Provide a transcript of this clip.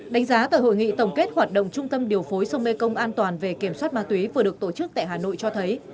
đánh giá tại hội nghị tổng kết hoạt động trung tâm điều phối sông mê công an toàn về kiểm soát ma túy vừa được tổ chức tại hà nội cho thấy